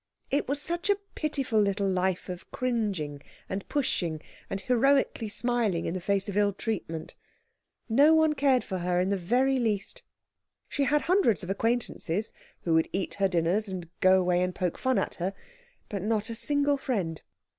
It was such a pitiful little life of cringing, and pushing, and heroically smiling in the face of ill treatment. No one cared for her in the very least. She had hundreds of acquaintances, who would eat her dinners and go away and poke fun at her, but not a single friend.